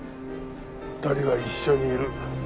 ２人は一緒にいる。